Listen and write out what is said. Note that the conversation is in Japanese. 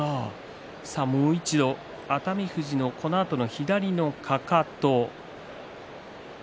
もう一度、熱海富士のこのあとの左のかかと。